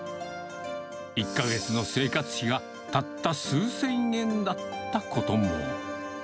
１か月の生活費がたった数千円だったことも。